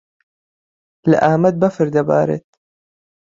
لە ئامەد بەفر دەبارێت.